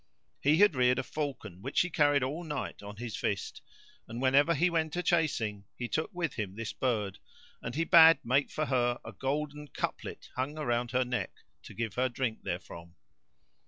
He had reared a falcon which he carried all night on his fist, and whenever he went a chasing he took with him this bird; and he bade make for her a golden cuplet hung around her neck to give her drink therefrom.